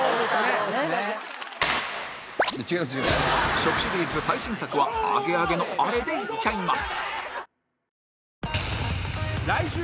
食シリーズ最新作はアゲアゲのあれでいっちゃいます